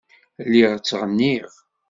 Lliɣ ttɣenniɣ.